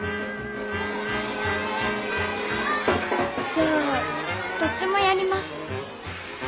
じゃあどっちもやります。